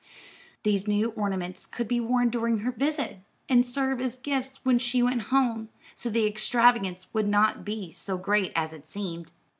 These new ornaments could be worn during her visit, and serve as gifts when she went home; so the extravagance would not be so great as it seemed.